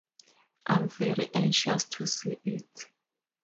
I'm very anxious to see it.